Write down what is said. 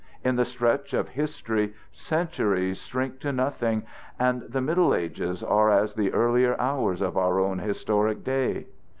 In the stretch of history centuries shrink to nothing, and the Middle Ages are as the earlier hours of our own historic day.